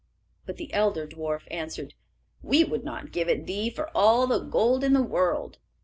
But the elder dwarf answered, "We would not give it thee for all the gold in the world."